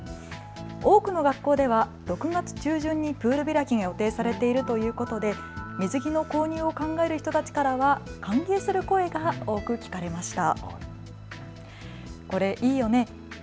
多くの学校では６月中旬にプール開きが予定されているということで水着の購入を考える人たちからは歓迎する声が多く聞かれました。